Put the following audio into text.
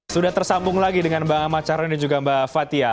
sudah tersambung lagi dengan bang amasaroni dan juga mbak fatih ya